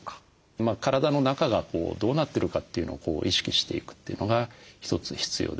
体の中がどうなってるかというのを意識していくというのが一つ必要です。